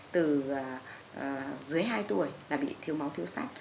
từ dưới hai tuổi là bị thiếu máu thiếu sắc